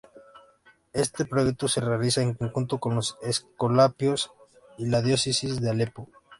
Este proyecto se realiza en conjunto con los Escolapios y la diócesis de Alepo.